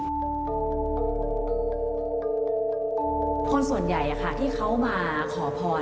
คนส่วนใหญ่ที่เขามาขอพร